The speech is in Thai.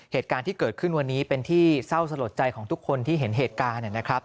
เหตุการณ์ที่เกิดขึ้นวันนี้เป็นที่เศร้าสลดใจของทุกคนที่เห็นเหตุการณ์นะครับ